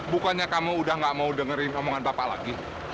bukannya kamu udah gak mau dengerin omongan bapak lagi